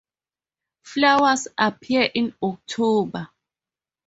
Flowers appear in October.